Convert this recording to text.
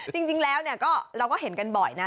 จริงแล้วก็เราก็เห็นกันบ่อยนะ